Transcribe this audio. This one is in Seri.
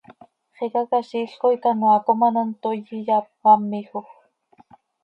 Xicaquiziil coi canoaa com an hant toii, iyapámijoj.